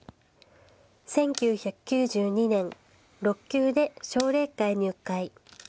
１９９２年６級で奨励会入会。